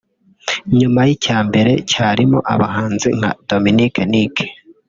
nyuma y’icya mbere cyarimo abahanzi nka Dominic Nic